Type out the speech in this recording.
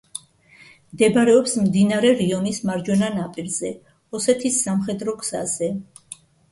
მდებარეობს მდინარე რიონის მარჯვენა ნაპირზე, ოსეთის სამხედრო გზაზე.